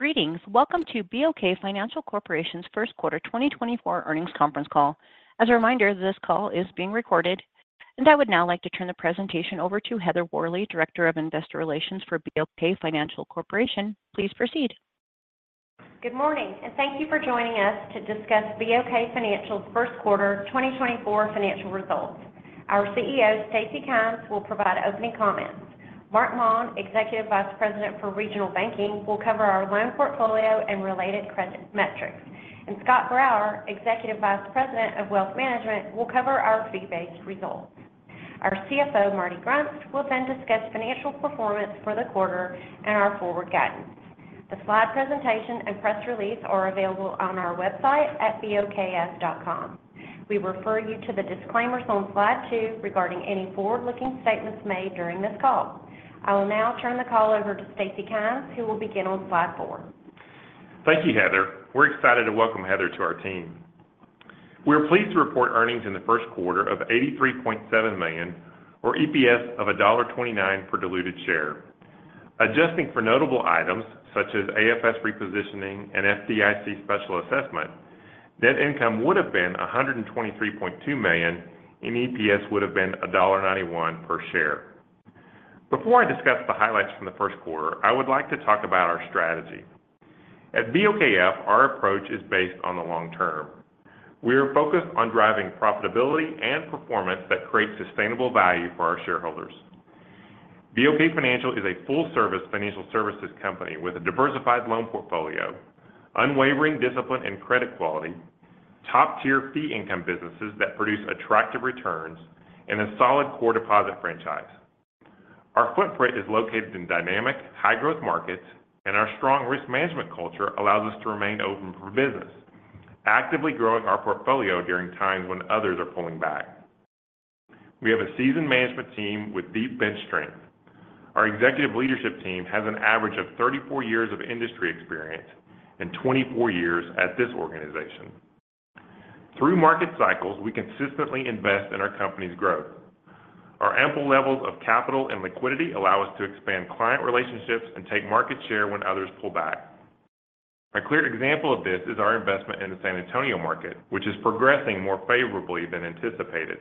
Greetings, welcome to BOK Financial Corporation's first quarter 2024 earnings conference call. As a reminder, this call is being recorded, and I would now like to turn the presentation over to Heather Worley, Director of Investor Relations for BOK Financial Corporation. Please proceed. Good morning, and thank you for joining us to discuss BOK Financial's first quarter 2024 financial results. Our CEO, Stacy Kymes, will provide opening comments. Marc Maun, Executive Vice President for Regional Banking, will cover our loan portfolio and related credit metrics, and Scott Grauer, Executive Vice President of Wealth Management, will cover our fee-based results. Our CFO, Marty Grunst, will then discuss financial performance for the quarter and our forward guidance. The slide presentation and press release are available on our website at bokf.com. We refer you to the disclaimers on slide two regarding any forward-looking statements made during this call. I will now turn the call over to Stacy Kymes, who will begin on slide four. Thank you, Heather. We're excited to welcome Heather to our team. We're pleased to report earnings in the first quarter of $83.7 million, or EPS of $1.29 per diluted share. Adjusting for notable items such as AFS repositioning and FDIC special assessment, net income would have been $123.2 million, and EPS would have been $1.91 per share. Before I discuss the highlights from the first quarter, I would like to talk about our strategy. At BOKF, our approach is based on the long term. We are focused on driving profitability and performance that create sustainable value for our shareholders. BOK Financial is a full-service financial services company with a diversified loan portfolio, unwavering discipline and credit quality, top-tier fee income businesses that produce attractive returns, and a solid core deposit franchise. Our footprint is located in dynamic, high-growth markets, and our strong risk management culture allows us to remain open for business, actively growing our portfolio during times when others are pulling back. We have a seasoned management team with deep bench strength. Our executive leadership team has an average of 34 years of industry experience and 24 years at this organization. Through market cycles, we consistently invest in our company's growth. Our ample levels of capital and liquidity allow us to expand client relationships and take market share when others pull back. A clear example of this is our investment in the San Antonio market, which is progressing more favorably than anticipated.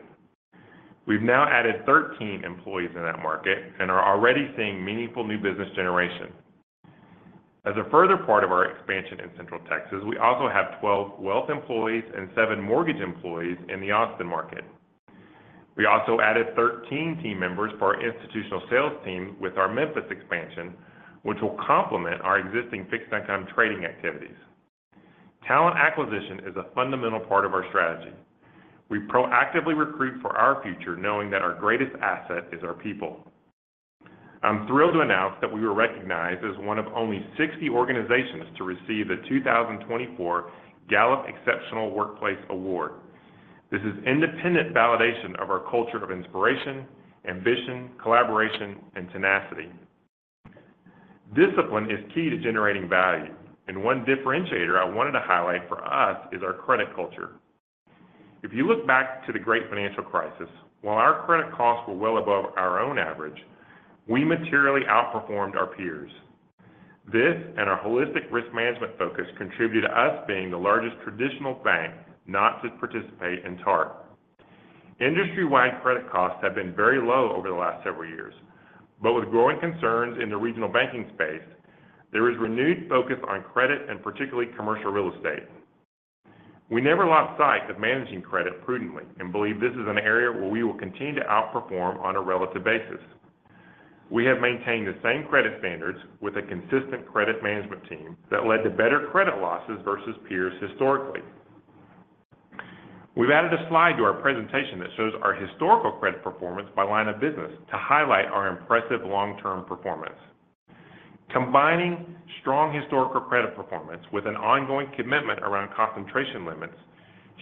We've now added 13 employees in that market and are already seeing meaningful new business generation. As a further part of our expansion in Central Texas, we also have 12 wealth employees and seven mortgage employees in the Austin market. We also added 13 team members for our institutional sales team with our Memphis expansion, which will complement our existing fixed-income trading activities. Talent acquisition is a fundamental part of our strategy. We proactively recruit for our future knowing that our greatest asset is our people. I'm thrilled to announce that we were recognized as one of only 60 organizations to receive the 2024 Gallup Exceptional Workplace Award. This is independent validation of our culture of inspiration, ambition, collaboration, and tenacity. Discipline is key to generating value, and one differentiator I wanted to highlight for us is our credit culture. If you look back to the Great Financial Crisis, while our credit costs were well above our own average, we materially outperformed our peers. This and our holistic risk management focus contributed to us being the largest traditional bank not to participate in TARP. Industry-wide credit costs have been very low over the last several years, but with growing concerns in the regional banking space, there is renewed focus on credit and particularly commercial real estate. We never lost sight of managing credit prudently and believe this is an area where we will continue to outperform on a relative basis. We have maintained the same credit standards with a consistent credit management team that led to better credit losses versus peers historically. We've added a slide to our presentation that shows our historical credit performance by line of business to highlight our impressive long-term performance. Combining strong historical credit performance with an ongoing commitment around concentration limits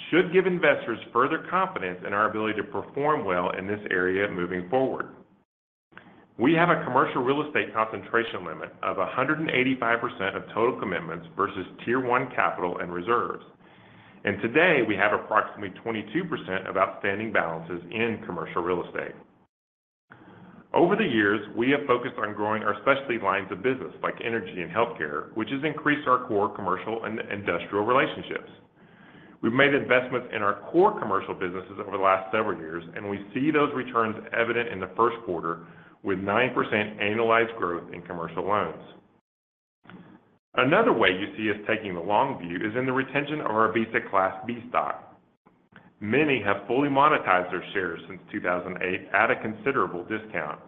should give investors further confidence in our ability to perform well in this area moving forward. We have a commercial real estate concentration limit of 185% of total commitments versus Tier 1 Capital and reserves, and today we have approximately 22% of outstanding balances in commercial real estate. Over the years, we have focused on growing our specialty lines of business like energy and healthcare, which has increased our core commercial and industrial relationships. We've made investments in our core commercial businesses over the last several years, and we see those returns evident in the first quarter with 9% annualized growth in commercial loans. Another way you see us taking the long view is in the retention of our Visa Class B stock. Many have fully monetized their shares since 2008 at a considerable discount.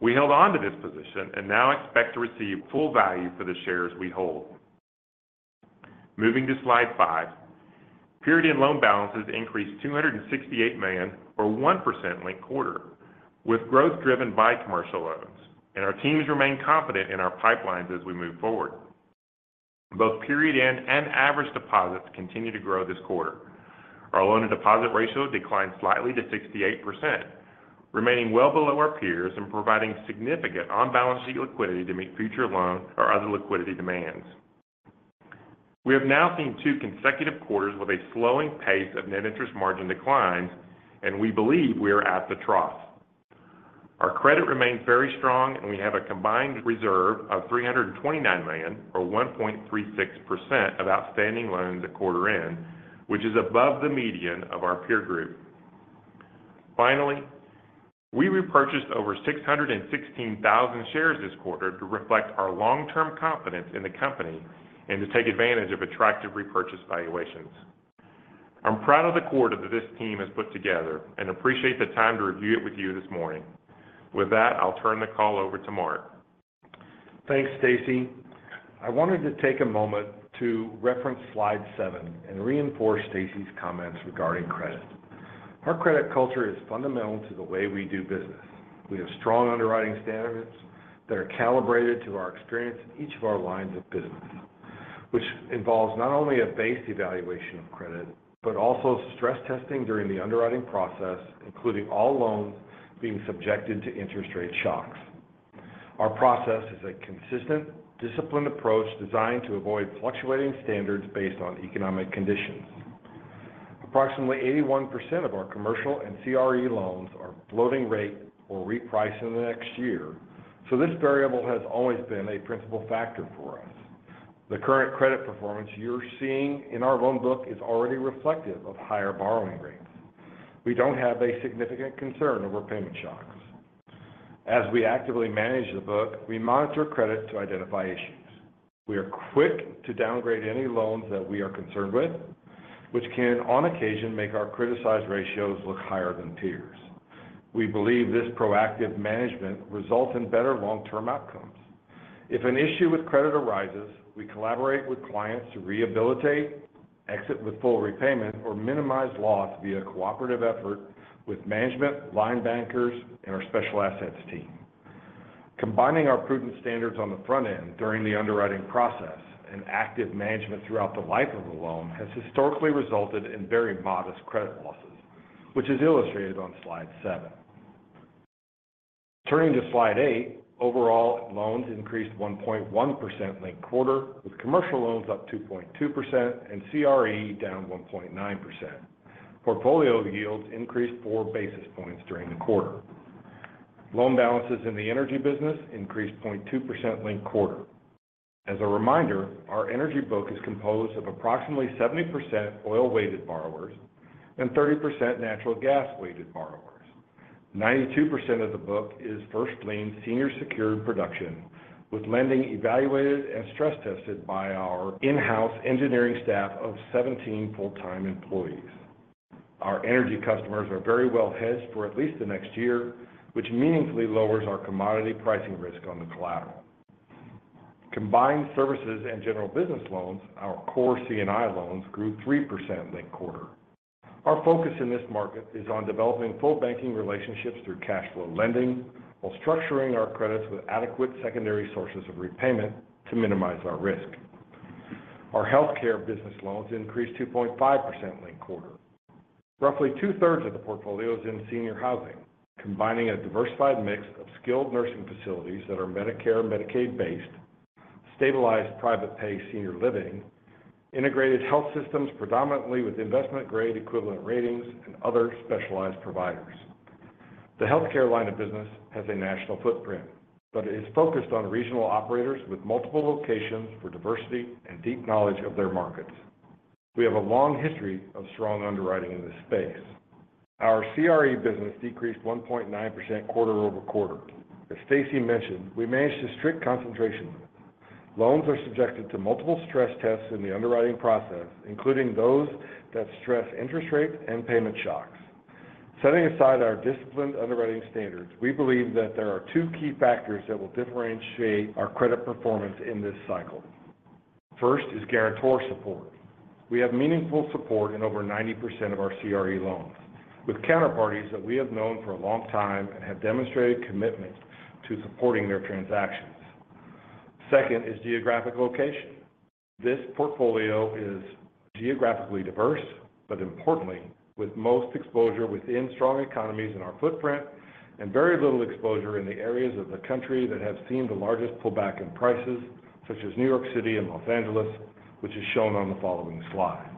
We held on to this position and now expect to receive full value for the shares we hold. Moving to slide five, period-end loan balances increased $268 million, or 1% linked quarter, with growth driven by commercial loans, and our teams remain confident in our pipelines as we move forward. Both period-end and average deposits continue to grow this quarter. Our loan-to-deposit ratio declined slightly to 68%, remaining well below our peers and providing significant on-balance sheet liquidity to meet future loan or other liquidity demands. We have now seen two consecutive quarters with a slowing pace of net interest margin declines, and we believe we are at the trough. Our credit remains very strong, and we have a combined reserve of $329 million, or 1.36% of outstanding loans at quarter-end, which is above the median of our peer group. Finally, we repurchased over 616,000 shares this quarter to reflect our long-term confidence in the company and to take advantage of attractive repurchase valuations. I'm proud of the quarter that this team has put together and appreciate the time to review it with you this morning. With that, I'll turn the call over to Marc. Thanks, Stacy. I wanted to take a moment to reference slide seven and reinforce Stacy's comments regarding credit. Our credit culture is fundamental to the way we do business. We have strong underwriting standards that are calibrated to our experience in each of our lines of business, which involves not only a base evaluation of credit but also stress testing during the underwriting process, including all loans being subjected to interest rate shocks. Our process is a consistent, disciplined approach designed to avoid fluctuating standards based on economic conditions. Approximately 81% of our commercial and CRE loans are floating rate or repriced in the next year, so this variable has always been a principal factor for us. The current credit performance you're seeing in our loan book is already reflective of higher borrowing rates. We don't have a significant concern over payment shocks. As we actively manage the book, we monitor credit to identify issues. We are quick to downgrade any loans that we are concerned with, which can on occasion make our criticized ratios look higher than peers. We believe this proactive management results in better long-term outcomes. If an issue with credit arises, we collaborate with clients to rehabilitate, exit with full repayment, or minimize loss via cooperative effort with management, line bankers, and our special assets team. Combining our prudent standards on the front end during the underwriting process and active management throughout the life of a loan has historically resulted in very modest credit losses, which is illustrated on slide seven. Turning to slide eight, overall loans increased 1.1% linked quarter, with commercial loans up 2.2% and CRE down 1.9%. Portfolio yields increased four basis points during the quarter. Loan balances in the energy business increased 0.2% linked quarter. As a reminder, our energy book is composed of approximately 70% oil-weighted borrowers and 30% natural gas-weighted borrowers. 92% of the book is first-lien senior-secured production, with lending evaluated and stress-tested by our in-house engineering staff of 17 full-time employees. Our energy customers are very well hedged for at least the next year, which meaningfully lowers our commodity pricing risk on the collateral. Combined services and general business loans, our core C&I loans grew 3% linked-quarter. Our healthcare business loans increased 2.5% linked-quarter. Roughly two-thirds of the portfolio is in senior housing, combining a diversified mix of skilled nursing facilities that are Medicare and Medicaid-based, stabilized private-pay senior living, integrated health systems predominantly with investment-grade equivalent ratings, and other specialized providers. The healthcare line of business has a national footprint but is focused on regional operators with multiple locations for diversity and deep knowledge of their markets. We have a long history of strong underwriting in this space. Our CRE business decreased 1.9% quarter-over-quarter. As Stacy mentioned, we manage to strict concentration limits. Loans are subjected to multiple stress tests in the underwriting process, including those that stress interest rate and payment shocks. Setting aside our disciplined underwriting standards, we believe that there are two key factors that will differentiate our credit performance in this cycle. First is guarantor support. We have meaningful support in over 90% of our CRE loans, with counterparties that we have known for a long time and have demonstrated commitment to supporting their transactions. Second is geographic location. This portfolio is geographically diverse but, importantly, with most exposure within strong economies in our footprint and very little exposure in the areas of the country that have seen the largest pullback in prices, such as New York City and Los Angeles, which is shown on the following slide.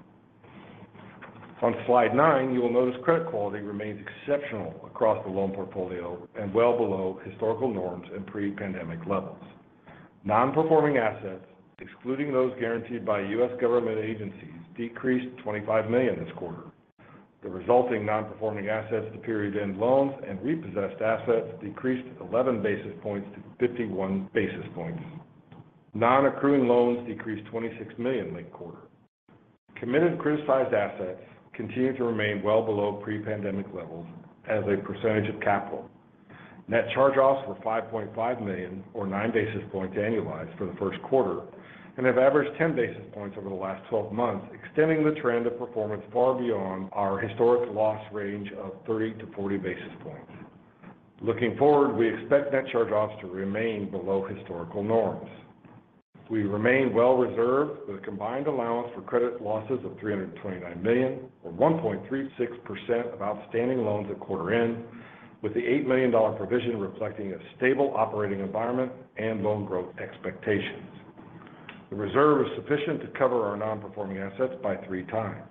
On slide nine, you will notice credit quality remains exceptional across the loan portfolio and well below historical norms and pre-pandemic levels. Non-performing assets, excluding those guaranteed by U.S. government agencies, decreased $25 million this quarter. The resulting non-performing assets to period-end loans and repossessed assets decreased 11 basis points to 51 basis points. Non-accruing loans decreased $26 million linked quarter. Committed criticized assets continue to remain well below pre-pandemic levels as a percentage of capital. Net charge-offs were $5.5 million, or nine basis points annualized for the first quarter, and have averaged 10 basis points over the last 12 months, extending the trend of performance far beyond our historic loss range of 30-40 basis points. Looking forward, we expect net charge-offs to remain below historical norms. We remain well-reserved with a combined allowance for credit losses of $329 million, or 1.36% of outstanding loans at quarter-end, with the $8 million provision reflecting a stable operating environment and loan growth expectations. The reserve is sufficient to cover our non-performing assets by three times.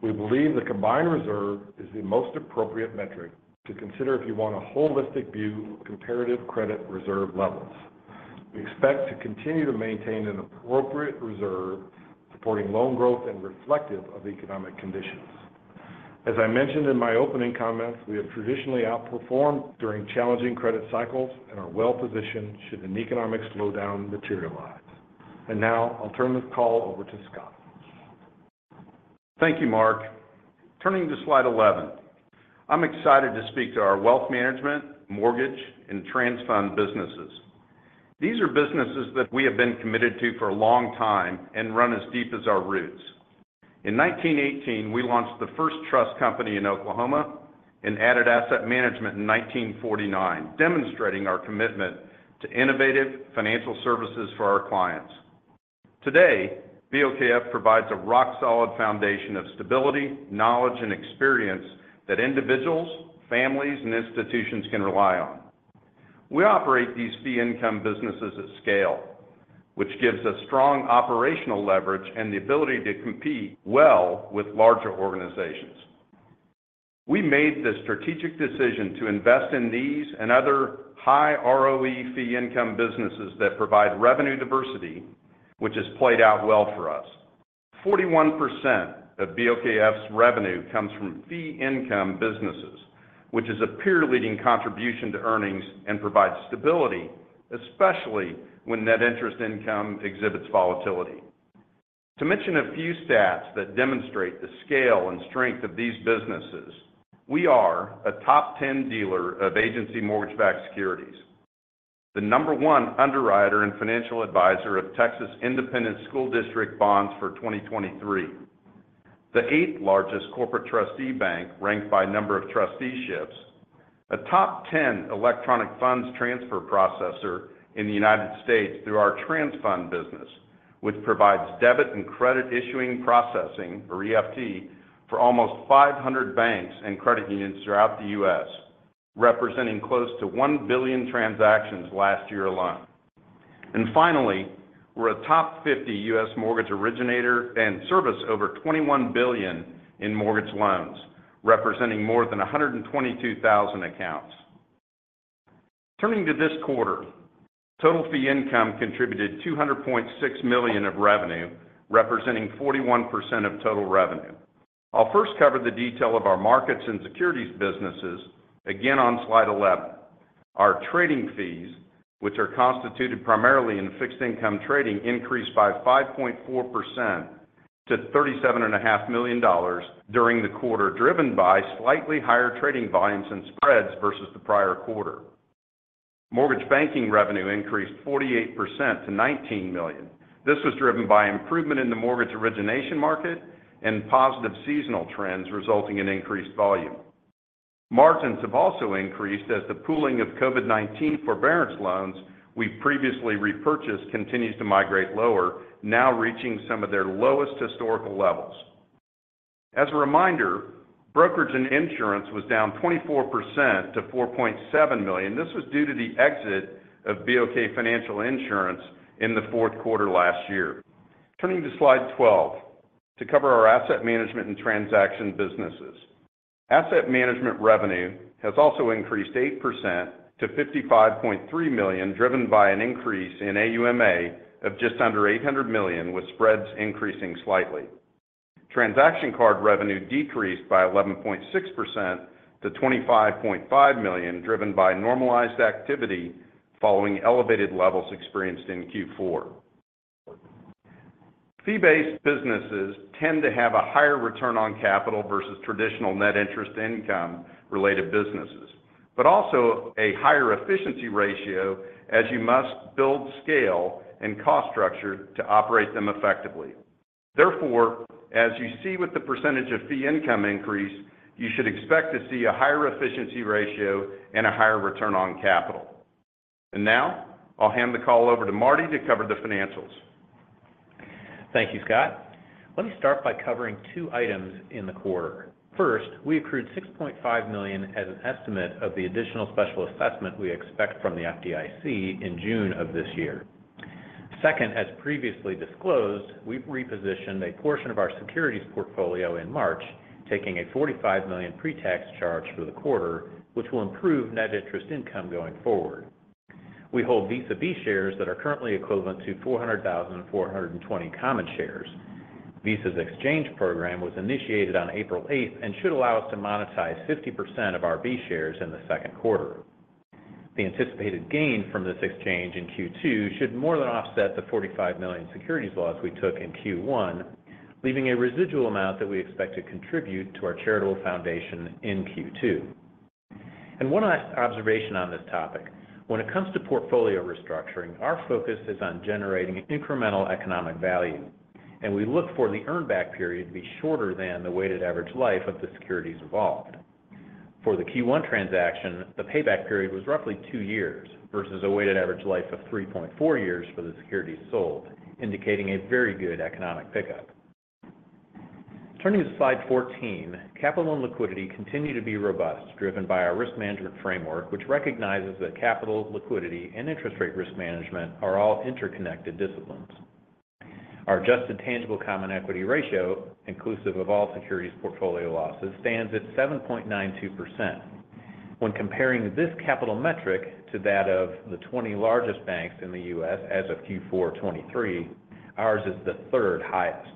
We believe the combined reserve is the most appropriate metric to consider if you want a holistic view of comparative credit reserve levels. We expect to continue to maintain an appropriate reserve supporting loan growth and reflective of economic conditions. As I mentioned in my opening comments, we have traditionally outperformed during challenging credit cycles and are well-positioned should an economic slowdown materialize. Now I'll turn this call over to Scott. Thank you, Marc. Turning to slide 11, I'm excited to speak to our wealth management, mortgage, and TransFund businesses. These are businesses that we have been committed to for a long time and run as deep as our roots. In 1918, we launched the first trust company in Oklahoma and added asset management in 1949, demonstrating our commitment to innovative financial services for our clients. Today, BOKF provides a rock-solid foundation of stability, knowledge, and experience that individuals, families, and institutions can rely on. We operate these fee-income businesses at scale, which gives us strong operational leverage and the ability to compete well with larger organizations. We made the strategic decision to invest in these and other high ROE fee-income businesses that provide revenue diversity, which has played out well for us. 41% of BOKF's revenue comes from fee-income businesses, which is a peer-leading contribution to earnings and provides stability, especially when net interest income exhibits volatility. To mention a few stats that demonstrate the scale and strength of these businesses, we are a top 10 dealer of agency mortgage-backed securities, the number one underwriter and financial advisor of Texas Independent School District Bonds for 2023, the eighth largest corporate trustee bank ranked by number of trusteeships, a top 10 electronic funds transfer processor in the United States through our TransFund business, which provides debit and credit issuing processing, or EFT, for almost 500 banks and credit unions throughout the U.S., representing close to 1 billion transactions last year alone. Finally, we're a top 50 U.S. mortgage originator and service over $21 billion in mortgage loans, representing more than 122,000 accounts. Turning to this quarter, total fee income contributed $200.6 million of revenue, representing 41% of total revenue. I'll first cover the detail of our markets and securities businesses, again on slide 11. Our trading fees, which are constituted primarily in fixed-income trading, increased by 5.4% to $37.5 million during the quarter, driven by slightly higher trading volumes and spreads versus the prior quarter. Mortgage banking revenue increased 48% to $19 million. This was driven by improvement in the mortgage origination market and positive seasonal trends resulting in increased volume. Margins have also increased as the pooling of COVID-19 forbearance loans we previously repurchased continues to migrate lower, now reaching some of their lowest historical levels. As a reminder, brokerage and insurance was down 24% to $4.7 million. This was due to the exit of BOK Financial Insurance in the fourth quarter last year. Turning to slide 12 to cover our asset management and transaction businesses, asset management revenue has also increased 8% to $55.3 million, driven by an increase in AUMA of just under $800 million, with spreads increasing slightly. Transaction card revenue decreased by 11.6% to $25.5 million, driven by normalized activity following elevated levels experienced in Q4. Fee-based businesses tend to have a higher return on capital versus traditional net interest income-related businesses, but also a higher efficiency ratio, as you must build scale and cost structure to operate them effectively. Therefore, as you see with the percentage of fee income increase, you should expect to see a higher efficiency ratio and a higher return on capital. Now I'll hand the call over to Marty to cover the financials. Thank you, Scott. Let me start by covering two items in the quarter. First, we accrued $6.5 million as an estimate of the additional special assessment we expect from the FDIC in June of this year. Second, as previously disclosed, we've repositioned a portion of our securities portfolio in March, taking a $45 million pretax charge for the quarter, which will improve net interest income going forward. We hold Visa B shares that are currently equivalent to 400,420 common shares. Visa's exchange program was initiated on April 8th and should allow us to monetize 50% of our B shares in the second quarter. The anticipated gain from this exchange in Q2 should more than offset the $45 million securities loss we took in Q1, leaving a residual amount that we expect to contribute to our charitable foundation in Q2. And one last observation on this topic. When it comes to portfolio restructuring, our focus is on generating incremental economic value, and we look for the earnback period to be shorter than the weighted average life of the securities involved. For the Q1 transaction, the payback period was roughly two years versus a weighted average life of 3.4 years for the securities sold, indicating a very good economic pickup. Turning to slide 14, capital and liquidity continue to be robust, driven by our risk management framework, which recognizes that capital, liquidity, and interest rate risk management are all interconnected disciplines. Our adjusted tangible common equity ratio, inclusive of all securities portfolio losses, stands at 7.92%. When comparing this capital metric to that of the 20 largest banks in the U.S. as of Q4 2023, ours is the third highest.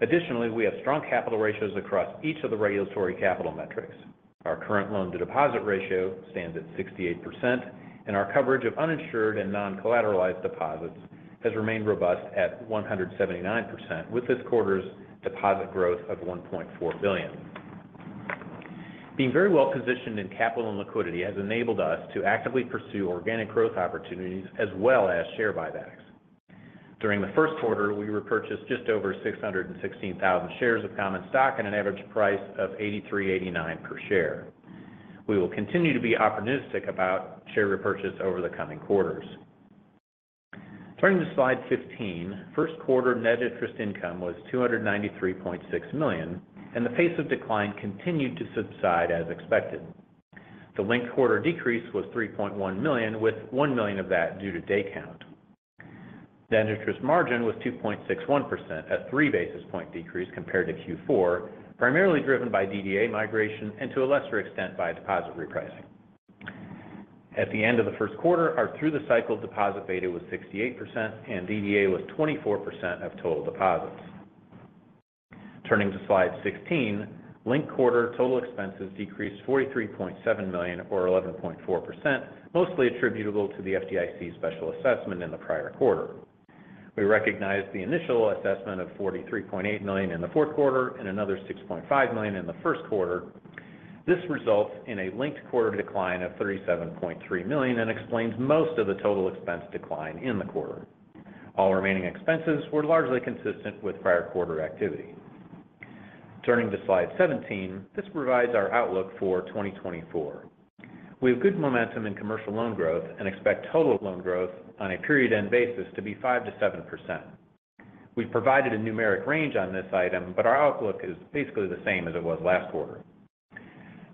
Additionally, we have strong capital ratios across each of the regulatory capital metrics. Our current loan-to-deposit ratio stands at 68%, and our coverage of uninsured and non-collateralized deposits has remained robust at 179%, with this quarter's deposit growth of $1.4 billion. Being very well-positioned in capital and liquidity has enabled us to actively pursue organic growth opportunities as well as share buybacks. During the first quarter, we repurchased just over 616,000 shares of common stock at an average price of $83.89 per share. We will continue to be opportunistic about share repurchase over the coming quarters. Turning to slide 15, first quarter net interest income was $293.6 million, and the pace of decline continued to subside as expected. The linked quarter decrease was $3.1 million, with $1 million of that due to day count. Net interest margin was 2.61%, a three basis point decrease compared to Q4, primarily driven by DDA migration and, to a lesser extent, by deposit repricing. At the end of the first quarter, our through-the-cycle deposit beta was 68%, and DDA was 24% of total deposits. Turning to slide 16, linked quarter total expenses decreased $43.7 million, or 11.4%, mostly attributable to the FDIC special assessment in the prior quarter. We recognize the initial assessment of $43.8 million in the fourth quarter and another $6.5 million in the first quarter. This results in a linked quarter decline of $37.3 million and explains most of the total expense decline in the quarter. All remaining expenses were largely consistent with prior quarter activity. Turning to slide 17, this provides our outlook for 2024. We have good momentum in commercial loan growth and expect total loan growth on a period-end basis to be 5%-7%. We've provided a numeric range on this item, but our outlook is basically the same as it was last quarter.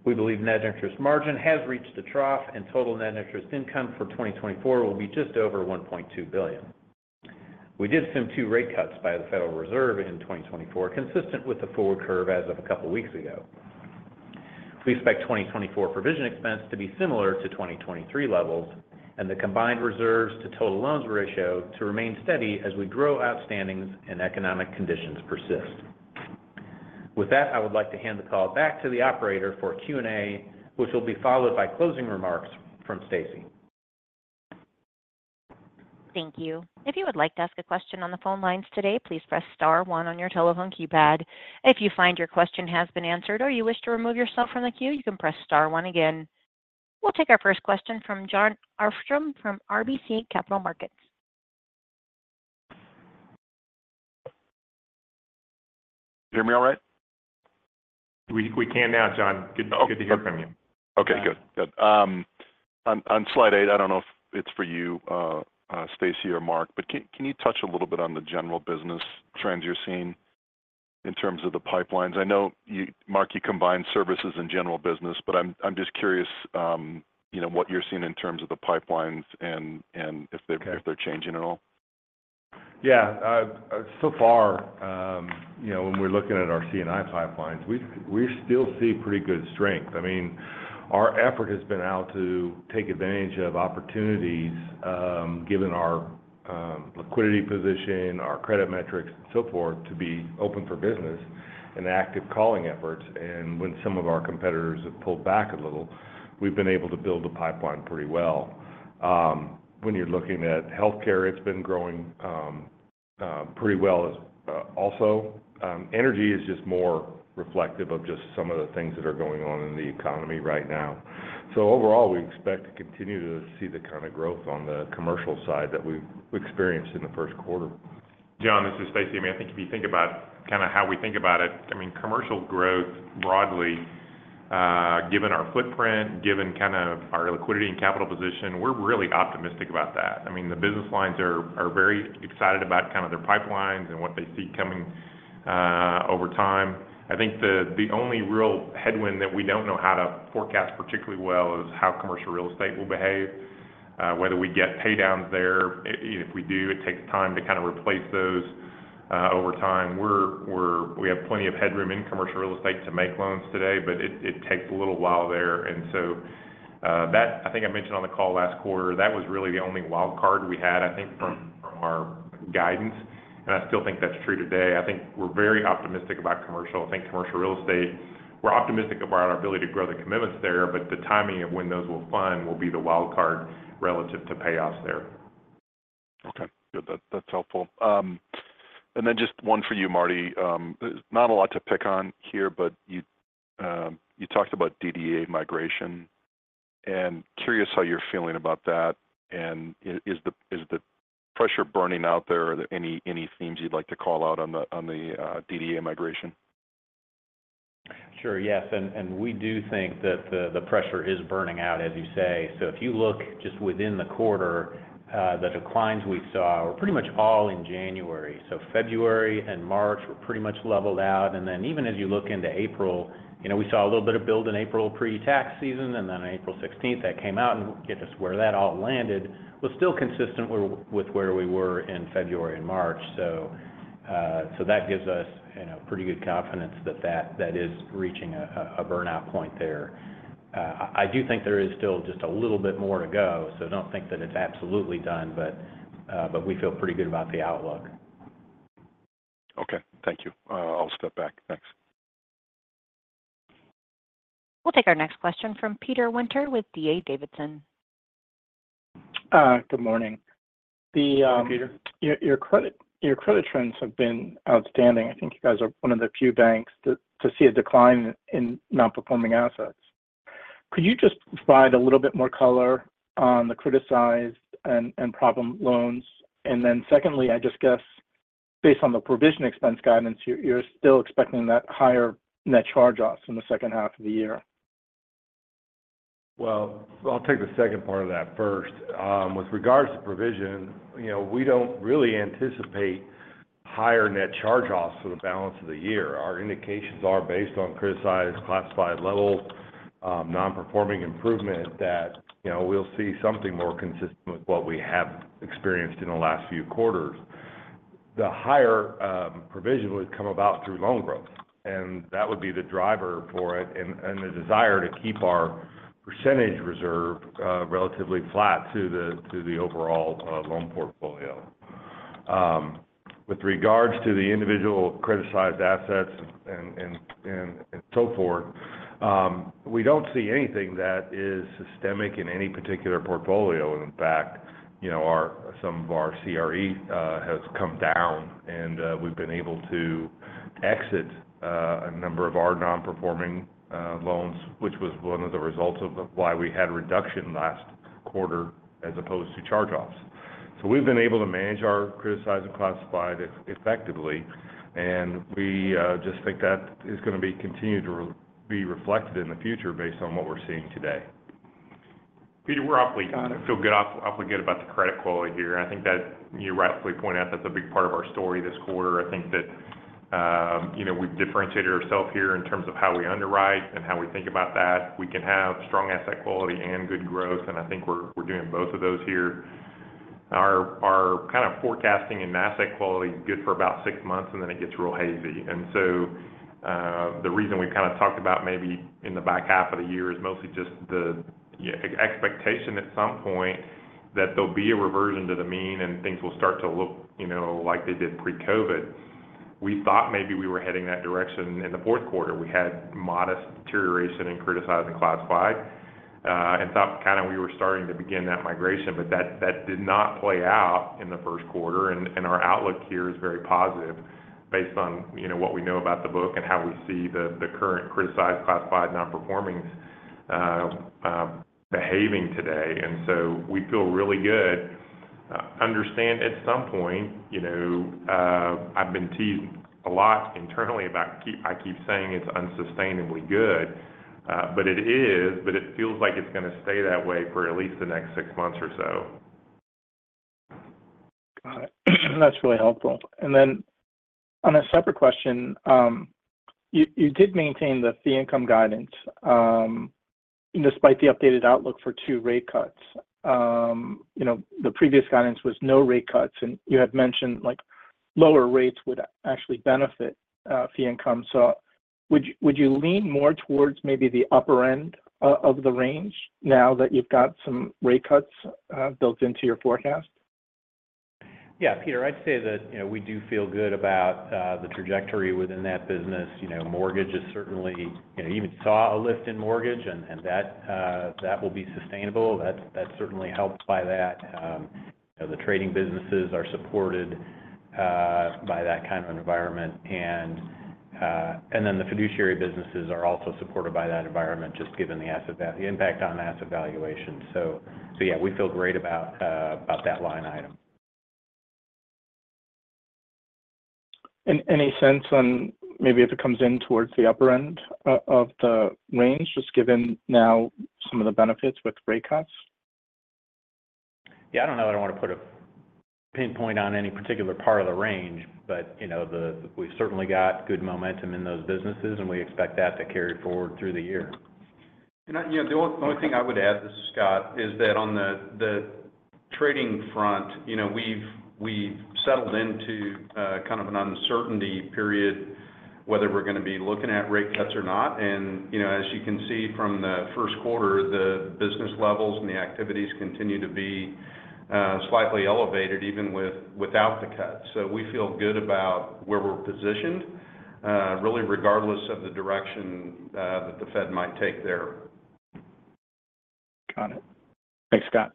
We believe net interest margin has reached a trough, and total net interest income for 2024 will be just over $1.2 billion. We assume 2 rate cuts by the Federal Reserve in 2024, consistent with the forward curve as of a couple of weeks ago. We expect 2024 provision expense to be similar to 2023 levels and the combined reserves to total loans ratio to remain steady as we grow outstandings and economic conditions persist. With that, I would like to hand the call back to the operator for Q&A, which will be followed by closing remarks from Stacy. Thank you. If you would like to ask a question on the phone lines today, please press star one on your telephone keypad. If you find your question has been answered or you wish to remove yourself from the queue, you can press star one again. We'll take our first question from Jon Arfstrom from RBC Capital Markets. Hear me all right? We can now, John. Good to hear from you. Okay. Good. Good. On slide eight, I don't know if it's for you, Stacy or Marc, but can you touch a little bit on the general business trends you're seeing in terms of the pipelines? I know, Marc, you combine services and general business, but I'm just curious what you're seeing in terms of the pipelines and if they're changing at all. Yeah. So far, when we're looking at our C&I pipelines, we still see pretty good strength. I mean, our effort has been out to take advantage of opportunities, given our liquidity position, our credit metrics, and so forth, to be open for business and active calling efforts. And when some of our competitors have pulled back a little, we've been able to build a pipeline pretty well. When you're looking at healthcare, it's been growing pretty well also. Energy is just more reflective of just some of the things that are going on in the economy right now. So overall, we expect to continue to see the kind of growth on the commercial side that we experienced in the first quarter. John, this is Stacy. I mean, I think if you think about kind of how we think about it, I mean, commercial growth broadly, given our footprint, given kind of our liquidity and capital position, we're really optimistic about that. I mean, the business lines are very excited about kind of their pipelines and what they see coming over time. I think the only real headwind that we don't know how to forecast particularly well is how commercial real estate will behave, whether we get paydowns there. If we do, it takes time to kind of replace those over time. We have plenty of headroom in commercial real estate to make loans today, but it takes a little while there. And so that, I think I mentioned on the call last quarter, that was really the only wild card we had, I think, from our guidance. I still think that's true today. I think we're very optimistic about commercial. I think commercial real estate, we're optimistic about our ability to grow the commitments there, but the timing of when those will fund will be the wild card relative to payoffs there. Okay. Good. That's helpful. Then just one for you, Marty. Not a lot to pick on here, but you talked about DDA migration. Curious how you're feeling about that. Is the pressure burning out there? Are there any themes you'd like to call out on the DDA migration? Sure. Yes. And we do think that the pressure is burning out, as you say. So if you look just within the quarter, the declines we saw were pretty much all in January. So February and March were pretty much leveled out. And then even as you look into April, we saw a little bit of build in April pretax season, and then on April 16th, that came out. And just where that all landed was still consistent with where we were in February and March. So that gives us pretty good confidence that that is reaching a burnout point there. I do think there is still just a little bit more to go, so I don't think that it's absolutely done, but we feel pretty good about the outlook. Okay. Thank you. I'll step back. Thanks. We'll take our next question from Peter Winter with DA Davidson. Good morning. Hello, Peter. Your credit trends have been outstanding. I think you guys are one of the few banks to see a decline in non-performing assets. Could you just provide a little bit more color on the criticized and problem loans? And then secondly, I just guess, based on the provision expense guidance, you're still expecting that higher net charge-offs in the second half of the year. Well, I'll take the second part of that first. With regards to provision, we don't really anticipate higher net charge-offs for the balance of the year. Our indications are based on criticized classified levels, non-performing improvement, that we'll see something more consistent with what we have experienced in the last few quarters. The higher provision would come about through loan growth, and that would be the driver for it and the desire to keep our percentage reserve relatively flat to the overall loan portfolio. With regards to the individual criticized assets and so forth, we don't see anything that is systemic in any particular portfolio. And in fact, some of our CRE has come down, and we've been able to exit a number of our non-performing loans, which was one of the results of why we had reduction last quarter as opposed to charge-offs. We've been able to manage our criticized and classified effectively, and we just think that is going to continue to be reflected in the future based on what we're seeing today. Peter, we're off lead. I feel good off lead about the credit quality here. I think that you rightfully point out that's a big part of our story this quarter. I think that we've differentiated ourselves here in terms of how we underwrite and how we think about that. We can have strong asset quality and good growth, and I think we're doing both of those here. Our kind of forecasting in asset quality is good for about six months, and then it gets real hazy. So the reason we've kind of talked about maybe in the back half of the year is mostly just the expectation at some point that there'll be a reversion to the mean and things will start to look like they did pre-COVID. We thought maybe we were heading that direction in the fourth quarter. We had modest deterioration in criticized and classified and thought kind of we were starting to begin that migration, but that did not play out in the first quarter. Our outlook here is very positive based on what we know about the book and how we see the current criticized classified non-performings behaving today. So we feel really good. Understand at some point, I've been teased a lot internally about I keep saying it's unsustainably good, but it is, but it feels like it's going to stay that way for at least the next six months or so. Got it. That's really helpful. On a separate question, you did maintain the fee income guidance despite the updated outlook for two rate cuts. The previous guidance was no rate cuts, and you had mentioned lower rates would actually benefit fee income. Would you lean more towards maybe the upper end of the range now that you've got some rate cuts built into your forecast? Yeah. Peter, I'd say that we do feel good about the trajectory within that business. Mortgage is certainly even saw a lift in mortgage, and that will be sustainable. That's certainly helped by that. The trading businesses are supported by that kind of environment, and then the fiduciary businesses are also supported by that environment just given the impact on asset valuation. So yeah, we feel great about that line item. Any sense on maybe if it comes in towards the upper end of the range, just given now some of the benefits with rate cuts? Yeah. I don't know that I want to put a pinpoint on any particular part of the range, but we've certainly got good momentum in those businesses, and we expect that to carry forward through the year. The only thing I would add, this is Scott, is that on the trading front, we've settled into kind of an uncertainty period whether we're going to be looking at rate cuts or not. As you can see from the first quarter, the business levels and the activities continue to be slightly elevated even without the cuts. We feel good about where we're positioned, really regardless of the direction that the Fed might take there. Got it. Thanks, Scott.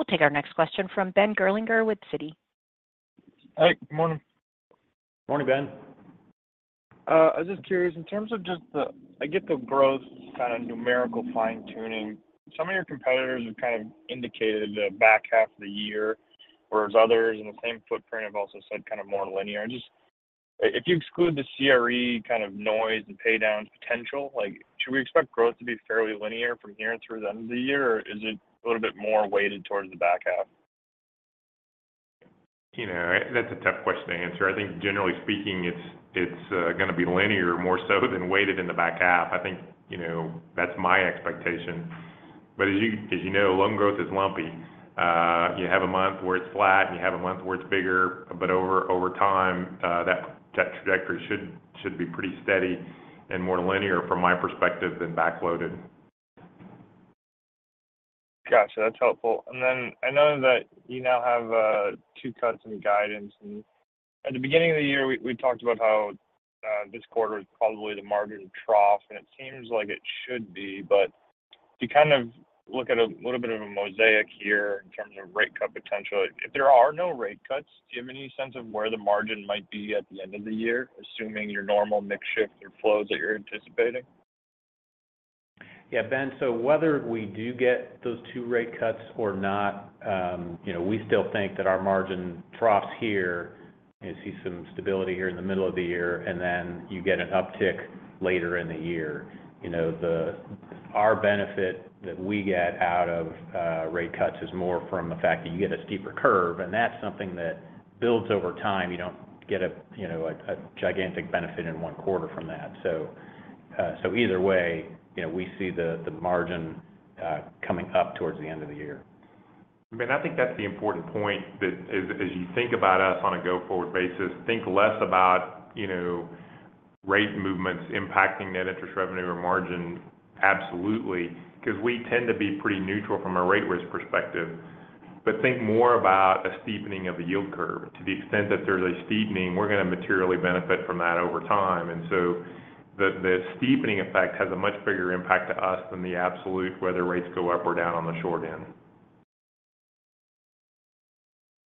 We'll take our next question from Ben Gerlinger with Citi. Hey. Good morning. Morning, Ben. I was just curious. In terms of just, I get the growth kind of numerical fine-tuning. Some of your competitors have kind of indicated the back half of the year, whereas others in the same footprint have also said kind of more linear. And just if you exclude the CRE kind of noise and paydowns potential, should we expect growth to be fairly linear from here through the end of the year, or is it a little bit more weighted towards the back half? That's a tough question to answer. I think generally speaking, it's going to be linear more so than weighted in the back half. I think that's my expectation. But as you know, loan growth is lumpy. You have a month where it's flat, and you have a month where it's bigger. But over time, that trajectory should be pretty steady and more linear from my perspective than backloaded. Gotcha. That's helpful. And then I know that you now have two cuts in guidance. And at the beginning of the year, we talked about how this quarter is probably the margin trough, and it seems like it should be. But if you kind of look at a little bit of a mosaic here in terms of rate cut potential, if there are no rate cuts, do you have any sense of where the margin might be at the end of the year, assuming your normal mix shift or flows that you're anticipating? Yeah, Ben. So whether we do get those 2 rate cuts or not, we still think that our margin troughs here, you see some stability here in the middle of the year, and then you get an uptick later in the year. Our benefit that we get out of rate cuts is more from the fact that you get a steeper curve, and that's something that builds over time. You don't get a gigantic benefit in one quarter from that. So either way, we see the margin coming up towards the end of the year. Ben, I think that's the important point that as you think about us on a go-forward basis, think less about rate movements impacting net interest revenue or margin, absolutely, because we tend to be pretty neutral from a rate risk perspective. But think more about a steepening of the yield curve. To the extent that there's a steepening, we're going to materially benefit from that over time. And so the steepening effect has a much bigger impact to us than the absolute whether rates go up or down on the short end.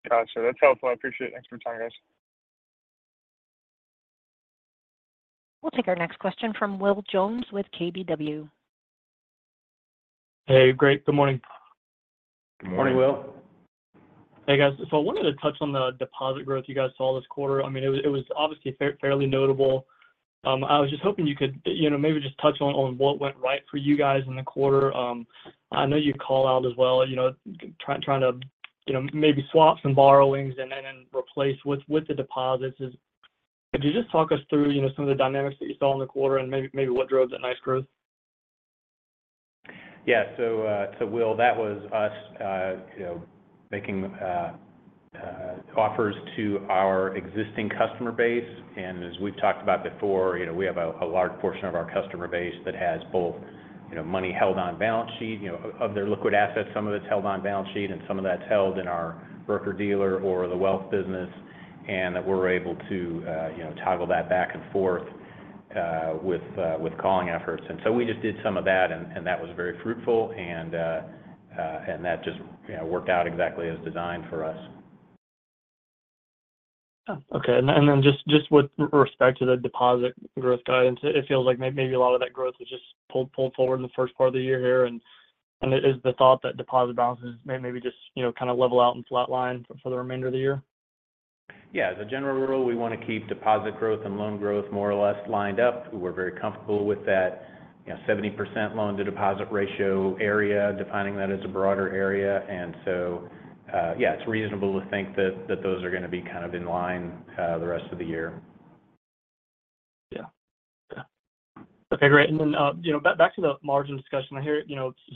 Gotcha. That's helpful. I ap preciate it. Thanks for your time, guys. We'll take our next question from Will Jones with KBW. Hey. Great. Good morning. Good morning. Morning, Will. Hey, guys. So I wanted to touch on the deposit growth you guys saw this quarter. I mean, it was obviously fairly notable. I was just hoping you could maybe just touch on what went right for you guys in the quarter. I know you call out as well trying to maybe swap some borrowings and then replace with the deposits. Could you just talk us through some of the dynamics that you saw in the quarter and maybe what drove that nice growth? Yeah. So Will, that was us making offers to our existing customer base. As we've talked about before, we have a large portion of our customer base that has both money held on balance sheet of their liquid assets, some of it's held on balance sheet, and some of that's held in our broker-dealer or the wealth business, and that we're able to toggle that back and forth with calling efforts. So we just did some of that, and that was very fruitful, and that just worked out exactly as designed for us. Okay. And then just with respect to the deposit growth guidance, it feels like maybe a lot of that growth was just pulled forward in the first part of the year here. And is the thought that deposit balances maybe just kind of level out and flatline for the remainder of the year? Yeah. As a general rule, we want to keep deposit growth and loan growth more or less lined up. We're very comfortable with that 70% loan-to-deposit ratio area, defining that as a broader area. And so yeah, it's reasonable to think that those are going to be kind of in line the rest of the year. Yeah. Okay. Great. And then back to the margin discussion, I hear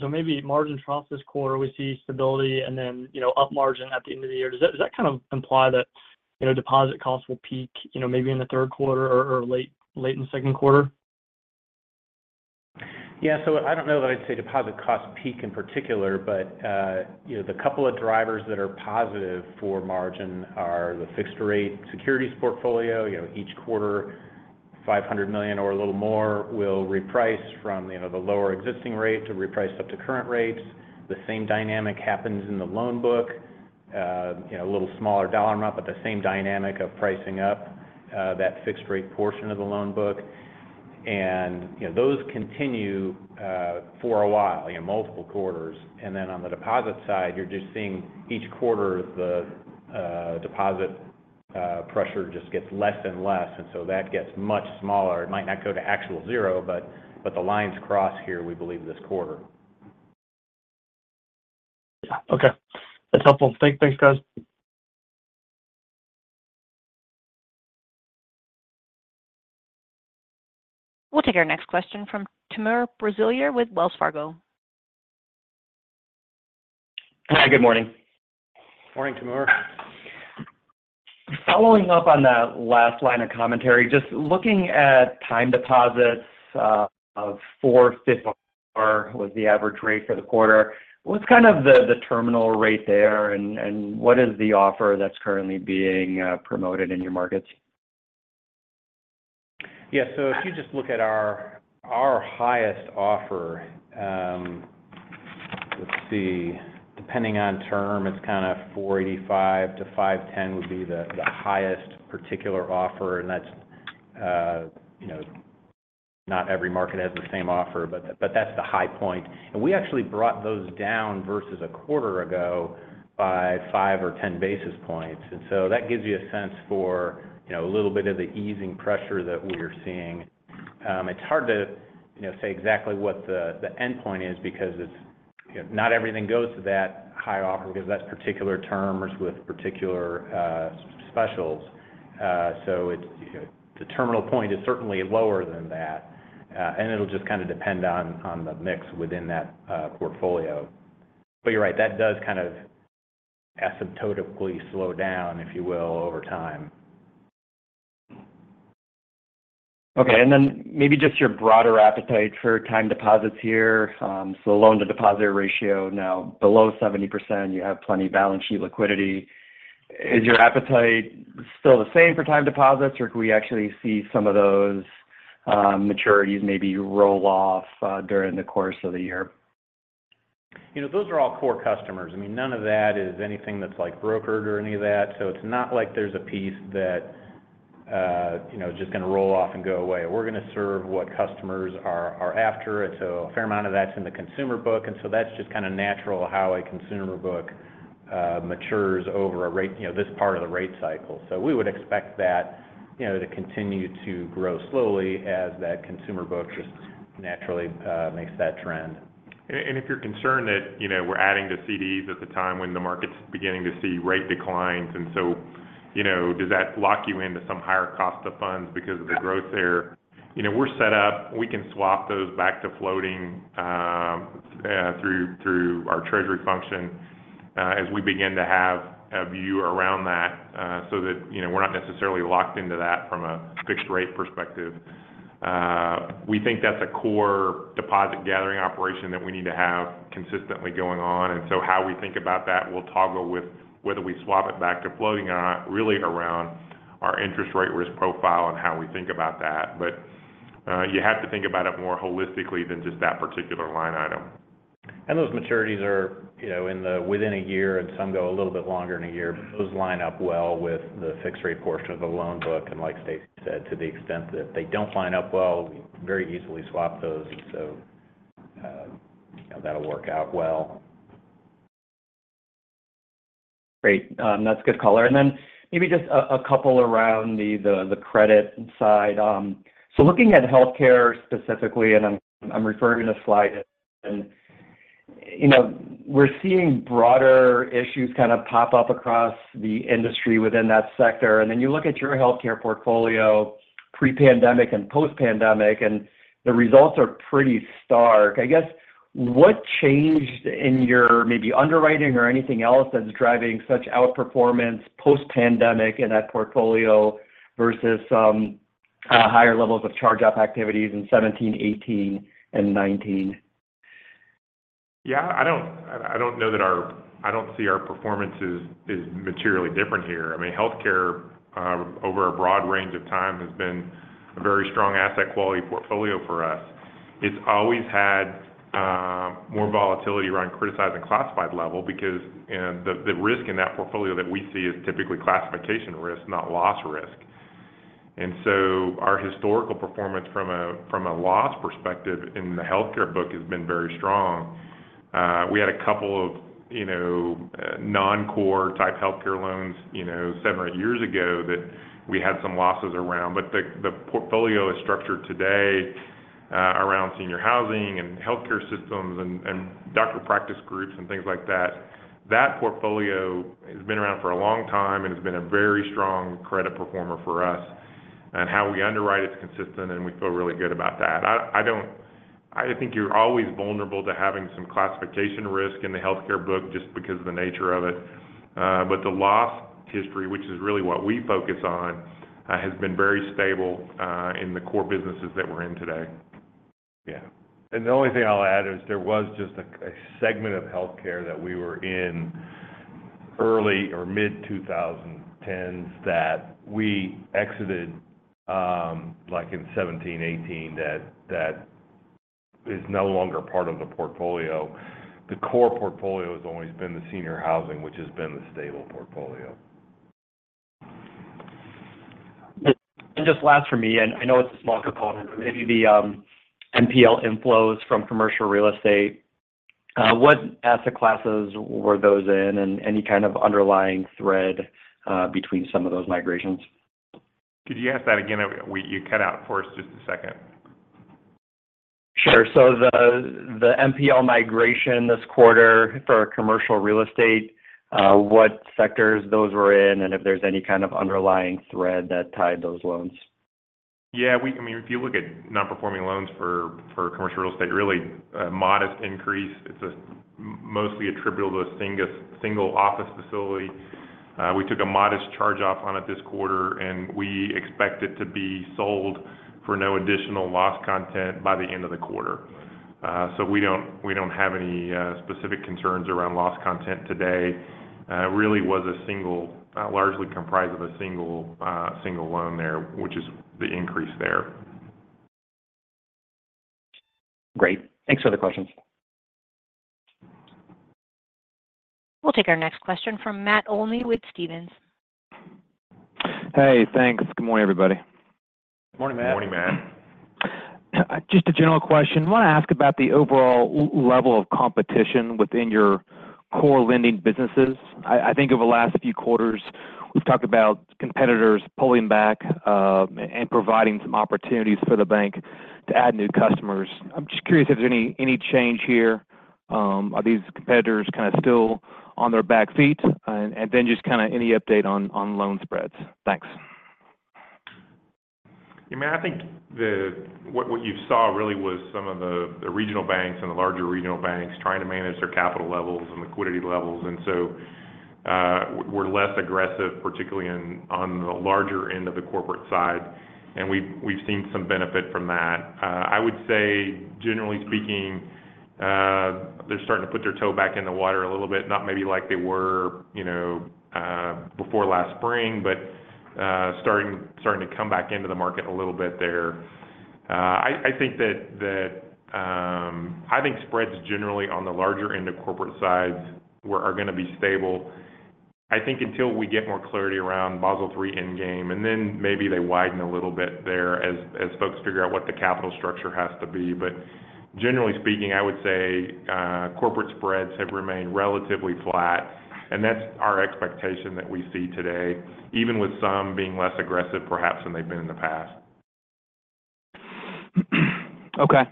so maybe margin trough this quarter, we see stability, and then up margin at the end of the year. Does that kind of imply that deposit costs will peak maybe in the third quarter or late in the second quarter? Yeah. So I don't know that I'd say deposit costs peak in particular, but the couple of drivers that are positive for margin are the fixed-rate securities portfolio. Each quarter, $500 million or a little more will reprice from the lower existing rate to reprice up to current rates. The same dynamic happens in the loan book, a little smaller dollar amount, but the same dynamic of pricing up that fixed-rate portion of the loan book. And those continue for a while, multiple quarters. And then on the deposit side, you're just seeing each quarter, the deposit pressure just gets less and less, and so that gets much smaller. It might not go to actual zero, but the lines cross here, we believe, this quarter. Yeah. Okay. That's helpful. Thanks, guys. We'll take our next question from Timur Braziler with Wells Fargo. Hi. Good morning. Morning, Timur. Following up on that last line of commentary, just looking at time deposits, 4.54 was the average rate for the quarter. What's kind of the terminal rate there, and what is the offer that's currently being promoted in your markets? Yeah. So if you just look at our highest offer, let's see. Depending on term, it's kind of 4.85-5.10 would be the highest particular offer, and that's not every market has the same offer, but that's the high point. And we actually brought those down versus a quarter ago by five or 10 basis points. And so that gives you a sense for a little bit of the easing pressure that we're seeing. It's hard to say exactly what the endpoint is because not everything goes to that high offer because that's particular terms with particular specials. So the terminal point is certainly lower than that, and it'll just kind of depend on the mix within that portfolio. But you're right, that does kind of asymptotically slow down, if you will, over time. Okay. And then maybe just your broader appetite for time deposits here. So the loan-to-deposit ratio now below 70%, you have plenty of balance sheet liquidity. Is your appetite still the same for time deposits, or can we actually see some of those maturities maybe roll off during the course of the year? Those are all core customers. I mean, none of that is anything that's brokered or any of that. So it's not like there's a piece that is just going to roll off and go away. We're going to serve what customers are after. And so a fair amount of that's in the consumer book, and so that's just kind of natural how a consumer book matures over this part of the rate cycle. So we would expect that to continue to grow slowly as that consumer book just naturally makes that trend. If you're concerned that we're adding to CDs at the time when the market's beginning to see rate declines, and so does that lock you into some higher cost of funds because of the growth there? We're set up. We can swap those back to floating through our treasury function as we begin to have a view around that so that we're not necessarily locked into that from a fixed-rate perspective. We think that's a core deposit-gathering operation that we need to have consistently going on. So how we think about that will toggle with whether we swap it back to floating or not really around our interest-rate risk profile and how we think about that. You have to think about it more holistically than just that particular line item. Those maturities are within a year, and some go a little bit longer in a year, but those line up well with the fixed-rate portion of the loan book. Like Stacy said, to the extent that they don't line up well, we very easily swap those, and so that'll work out well. Great. That's a good caller. And then maybe just a couple around the credit side. So looking at healthcare specifically, and I'm referring to the slide again, we're seeing broader issues kind of pop up across the industry within that sector. And then you look at your healthcare portfolio pre-pandemic and post-pandemic, and the results are pretty stark. I guess, what changed in your maybe underwriting or anything else that's driving such outperformance post-pandemic in that portfolio versus higher levels of charge-off activities in 2017, 2018, and 2019? Yeah. I don't know that. I don't see our performance as materially different here. I mean, healthcare, over a broad range of time, has been a very strong asset-quality portfolio for us. It's always had more volatility around criticized classified level because the risk in that portfolio that we see is typically classification risk, not loss risk. And so our historical performance from a loss perspective in the healthcare book has been very strong. We had a couple of non-core-type healthcare loans seven or eight years ago that we had some losses around. But the portfolio is structured today around senior housing and healthcare systems and doctor practice groups and things like that. That portfolio has been around for a long time, and it's been a very strong credit performer for us. And how we underwrite is consistent, and we feel really good about that. I think you're always vulnerable to having some classification risk in the healthcare book just because of the nature of it. But the loss history, which is really what we focus on, has been very stable in the core businesses that we're in today. Yeah. And the only thing I'll add is there was just a segment of healthcare that we were in early or mid-2010s that we exited in 2017, 2018 that is no longer part of the portfolio. The core portfolio has always been the senior housing, which has been the stable portfolio. Just last for me, and I know it's a small component, but maybe the NPL inflows from commercial real estate, what asset classes were those in and any kind of underlying thread between some of those migrations? Could you ask that again? You cut out for us just a second. Sure. So the NPL migration this quarter for commercial real estate, what sectors those were in and if there's any kind of underlying thread that tied those loans? Yeah. I mean, if you look at non-performing loans for commercial real estate, really a modest increase. It's mostly attributable to a single office facility. We took a modest charge-off on it this quarter, and we expect it to be sold for no additional loss content by the end of the quarter. So we don't have any specific concerns around loss content today. It really was largely comprised of a single loan there, which is the increase there. Great. Thanks for the questions. We'll take our next question from Matt Olney with Stephens. Hey. Thanks. Good morning, everybody. Morning, Matt. Morning, Matt. Just a general question. I want to ask about the overall level of competition within your core lending businesses. I think over the last few quarters, we've talked about competitors pulling back and providing some opportunities for the bank to add new customers. I'm just curious if there's any change here. Are these competitors kind of still on their back feet? And then just kind of any update on loan spreads. Thanks. Yeah. I mean, I think what you saw really was some of the regional banks and the larger regional banks trying to manage their capital levels and liquidity levels. And so we're less aggressive, particularly on the larger end of the corporate side, and we've seen some benefit from that. I would say, generally speaking, they're starting to put their toe back in the water a little bit, not maybe like they were before last spring, but starting to come back into the market a little bit there. I think that I think spreads, generally, on the larger end of corporate side are going to be stable. I think until we get more clarity around Basel III endgame, and then maybe they widen a little bit there as folks figure out what the capital structure has to be. But generally speaking, I would say corporate spreads have remained relatively flat, and that's our expectation that we see today, even with some being less aggressive, perhaps, than they've been in the past. Okay.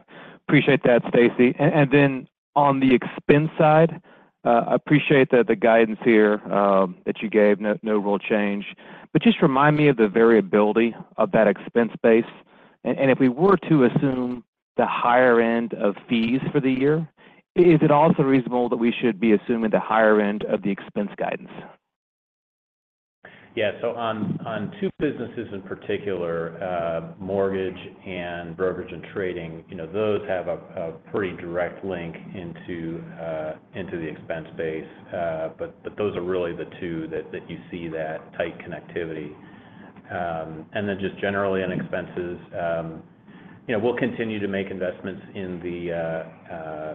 Appreciate that, Stacy. And then on the expense side, I appreciate the guidance here that you gave, no real change. But just remind me of the variability of that expense base. And if we were to assume the higher end of fees for the year, is it also reasonable that we should be assuming the higher end of the expense guidance? Yeah. So on two businesses in particular, mortgage and brokerage and trading, those have a pretty direct link into the expense base, but those are really the two that you see that tight connectivity. And then just generally on expenses, we'll continue to make investments in the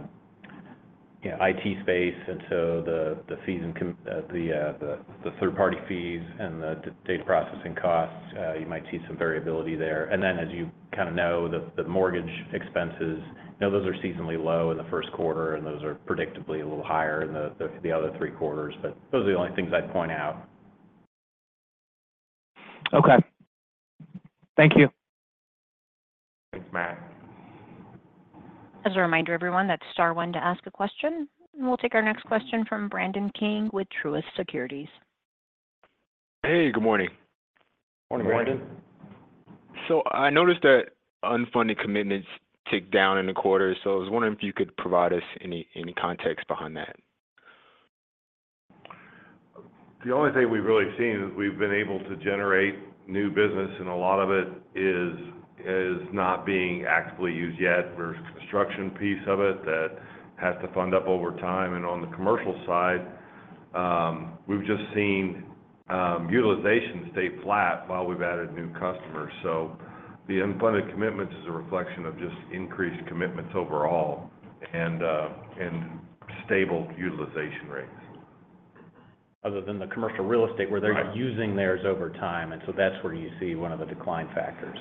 IT space, and so the fees and the third-party fees and the data processing costs, you might see some variability there. And then as you kind of know, the mortgage expenses, those are seasonally low in the first quarter, and those are predictably a little higher in the other three quarters. But those are the only things I'd point out. Okay. Thank you. Thanks, Matt. As a reminder to everyone, that's star one to ask a question. We'll take our next question from Brandon King with Truist Securities. Hey. Good morning. Morning, Brandon. I noticed that unfunded commitments ticked down in the quarter, so I was wondering if you could provide us any context behind that. The only thing we've really seen is we've been able to generate new business, and a lot of it is not being actively used yet. There's a construction piece of it that has to fund up over time. On the commercial side, we've just seen utilization stay flat while we've added new customers. The unfunded commitments is a reflection of just increased commitments overall and stable utilization rates. Other than the commercial real estate where they're using theirs over time, and so that's where you see one of the decline factors.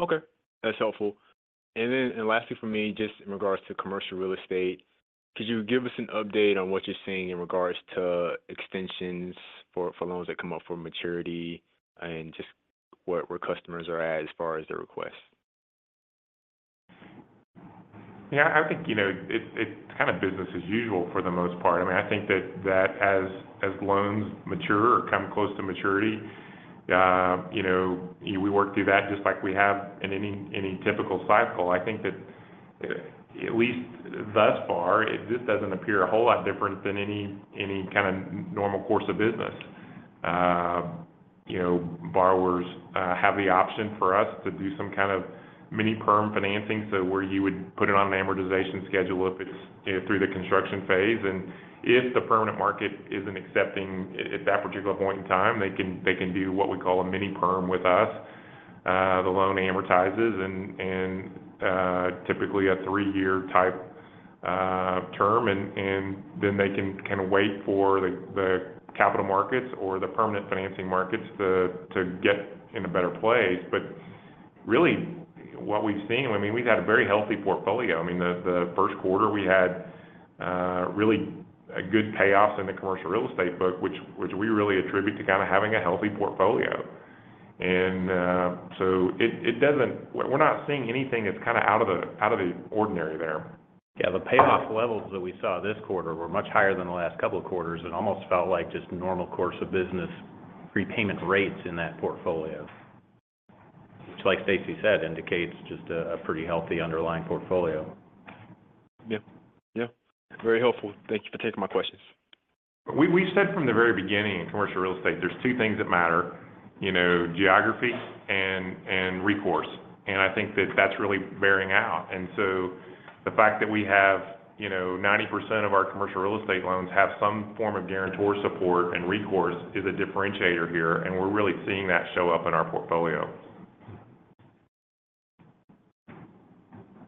Okay. That's helpful. And then lastly for me, just in regards to commercial real estate, could you give us an update on what you're seeing in regards to extensions for loans that come up for maturity and just where customers are at as far as their requests? Yeah. I think it's kind of business as usual for the most part. I mean, I think that as loans mature or come close to maturity, we work through that just like we have in any typical cycle. I think that at least thus far, this doesn't appear a whole lot different than any kind of normal course of business. Borrowers have the option for us to do some kind of mini-perm financing where you would put it on an amortization schedule if it's through the construction phase. And if the permanent market isn't accepting at that particular point in time, they can do what we call a mini-perm with us. The loan amortizes, and typically a 3-year type term. And then they can kind of wait for the capital markets or the permanent financing markets to get in a better place. But really, what we've seen, I mean, we've had a very healthy portfolio. I mean, the first quarter, we had really good payoffs in the commercial real estate book, which we really attribute to kind of having a healthy portfolio. And so we're not seeing anything that's kind of out of the ordinary there. Yeah. The payoff levels that we saw this quarter were much higher than the last couple of quarters and almost felt like just normal course of business repayment rates in that portfolio, which, like Stacy said, indicates just a pretty healthy underlying portfolio. Yeah. Yeah. Very helpful. Thank you for taking my questions. We've said from the very beginning in commercial real estate, there's two things that matter: geography and recourse. And I think that that's really bearing out. And so the fact that we have 90% of our commercial real estate loans have some form of guarantor support and recourse is a differentiator here, and we're really seeing that show up in our portfolio.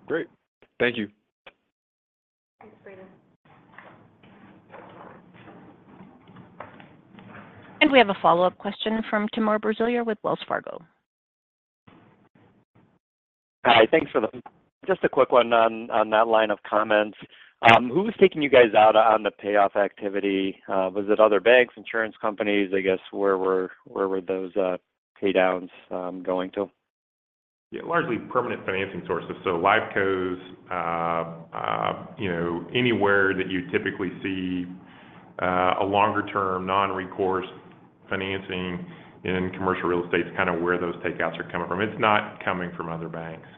Great. Thank you. Thanks, Brandon. And we have a follow-up question from Timur Braziler with Wells Fargo. Hi. Thanks for the just a quick one on that line of comments. Who was taking you guys out on the payoff activity? Was it other banks, insurance companies? I guess, where were those paydowns going to? Yeah. Largely permanent financing sources. So life cos, anywhere that you typically see a longer-term non-recourse financing in commercial real estate is kind of where those takeouts are coming from. It's not coming from other banks.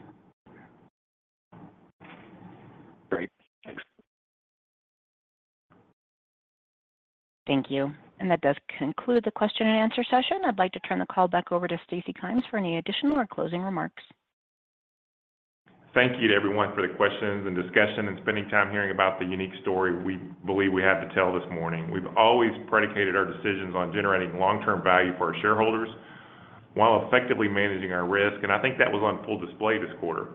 Great. Thanks. Thank you. That does conclude the question-and-answer session. I'd like to turn the call back over to Stacy Kymes for any additional or closing remarks. Thank you to everyone for the questions and discussion and spending time hearing about the unique story we believe we had to tell this morning. We've always predicated our decisions on generating long-term value for our shareholders while effectively managing our risk, and I think that was on full display this quarter.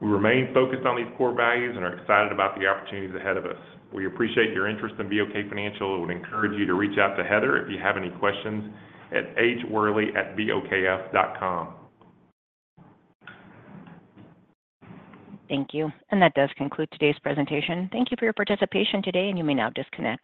We remain focused on these core values and are excited about the opportunities ahead of us. We appreciate your interest in BOK Financial. I would encourage you to reach out to Heather if you have any questions at hworley@bokf.com. Thank you. That does conclude today's presentation. Thank you for your participation today, and you may now disconnect.